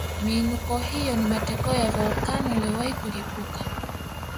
Miinuko hiyo ni matokeo ya volkeno iliyowahi kulipuka